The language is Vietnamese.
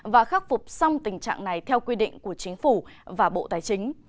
và khắc phục xong tình trạng này theo quy định của chính phủ và bộ tài chính